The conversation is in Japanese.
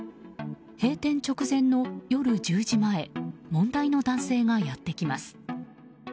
閉店直前の夜１０時前問題の男性がやってきます。